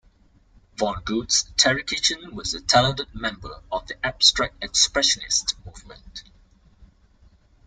Vonnegut's Terry Kitchen was a talented member of the Abstract Expressionist movement.